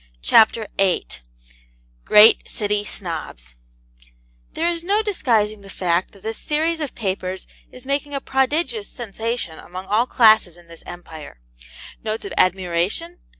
CHAPTER VIII GREAT CITY SNOBS There is no disguising the fact that this series of papers is making a prodigious sensation among all classes in this Empire. Notes of admiration